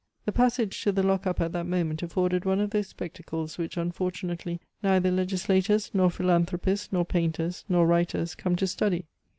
The passage to the lock up at that moment afforded one of those spectacles which, unfortunately, neither legislators, nor philanthropists, nor painters, nor writers come to study.